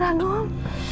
nanti sampai ketemu